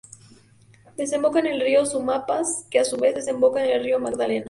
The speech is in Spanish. Desemboca en el Río Sumapaz, que a su vez desemboca en el Río Magdalena.